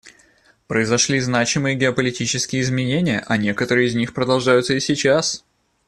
Произошли значимые геополитические изменения, а некоторые из них продолжаются и сейчас.